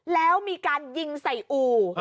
แล้วมีการยิงใส่อู่